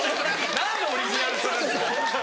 ・何でオリジナルにするんですか？